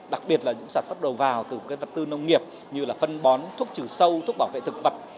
đặc biệt là những sản phẩm đầu vào từ vật tư nông nghiệp như là phân bón thuốc trừ sâu thuốc bảo vệ thực vật